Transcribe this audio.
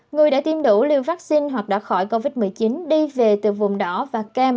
người đã tiêm đủ liều vaccine hoặc đã khỏi covid một mươi chín đi về từ vùng đỏ và cam